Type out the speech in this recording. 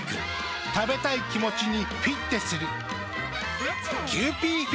食べたい気持ちにフィッテする。